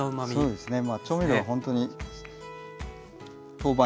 そうですね。